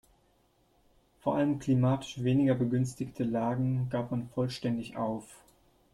Vor allem klimatisch weniger begünstige Lagen gab man vollständig auf.